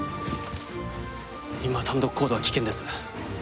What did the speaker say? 今単独行動は危険です